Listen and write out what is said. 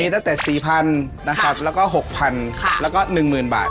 ตั้งแต่๔๐๐๐นะครับแล้วก็๖๐๐๐แล้วก็๑๐๐๐บาท